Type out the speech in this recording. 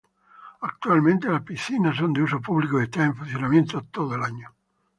Actualmente las piscinas son de uso público y están en funcionamiento todo el año.